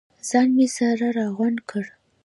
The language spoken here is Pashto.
ځان مې سره راغونډ کړ.